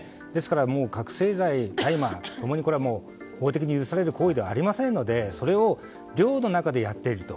覚醒剤、大麻共にこれは法的に許される行為ではありませんのでそれを寮の中でやっていると。